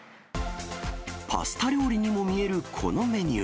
パスタ料理にも見えるこのメニュー。